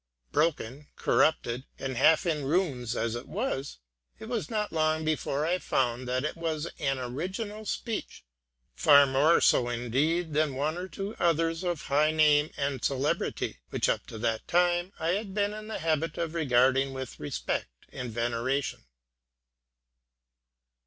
Broken, corrupted, and half in ruins as it was, it was not long before I found that it was an original speech; far more so indeed than one or two others of high name and celebrity, which up to that time I had been in the habit of regarding with respect and veneration.